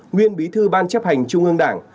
nguyên bí thư ban chấp hành trung ương đảng